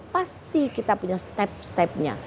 pasti kita punya step stepnya